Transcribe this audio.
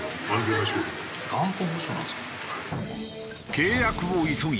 契約を急ぎ